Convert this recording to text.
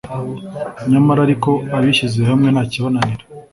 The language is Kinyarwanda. nyamara ariko “abishyize hamwe ntakibananira”.